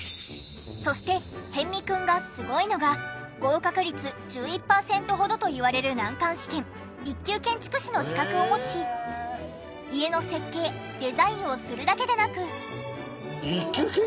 そして逸見くんがすごいのが合格率１１パーセントほどといわれる難関試験一級建築士の資格を持ち家の設計・デザインをするだけでなく。